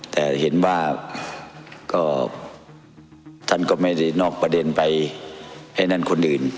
แต่เห็นว่าก็ท่านก็ไม่ได้นอกประเด็นไปให้นั่นคนอื่น